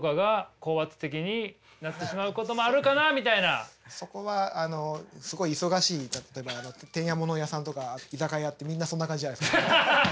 あと何かそこはすごい忙しい例えば店屋物屋さんとか居酒屋ってみんなそんな感じじゃないですか。